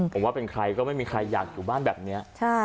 ผมว่าเป็นใครก็ไม่มีใครอยากอยู่บ้านแบบนี้